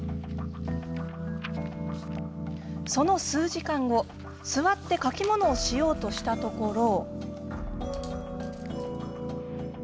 その数時間後、座って書き物をしようしたところ。